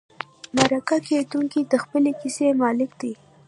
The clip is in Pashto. مرکه کېدونکی د خپلې کیسې مالک دی.